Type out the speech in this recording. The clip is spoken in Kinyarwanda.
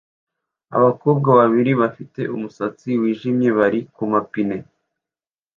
Abakobwa babiri bafite umusatsi wijimye bari kumapine